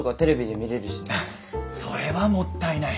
あっそれはもったいない。